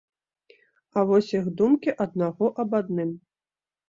А вось іх думкі аднаго аб адным.